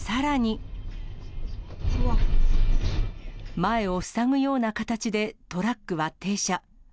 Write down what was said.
前を塞ぐような形でトラックは停車。